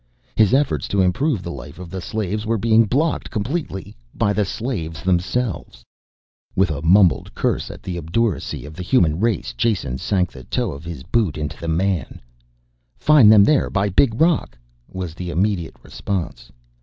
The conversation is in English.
His efforts to improve the life of the slaves were being blocked completely by the slaves themselves. With a mumbled curse at the continued obduracy of the human race Jason sank the toe of his boot into the man. [Illustration: Edipon] "Find them there by big rock," was the immediate response.